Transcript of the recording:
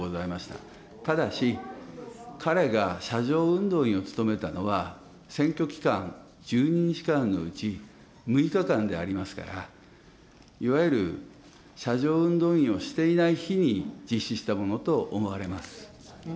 ただし、彼が車上運動員を務めたのは、選挙期間１２日間のうち、６日間でありますから、いわゆる車上運動員をしていない日に実施したものと思われます。